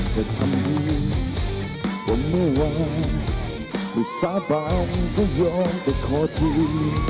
จะทำให้ว่าไม่ว่าภาษาบ้างก็ยอมไปขอที